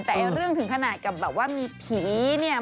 แต่เรื่องถึงขนาดมีผีเนี่ย